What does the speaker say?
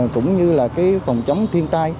cũng như là cái phòng chống thiên tai